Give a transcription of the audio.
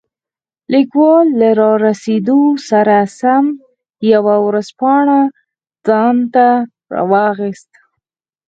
لیکوال له رارسېدو سره سم یوه ورځپاڼه ځانته واخیسته.